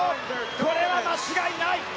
これは間違いない。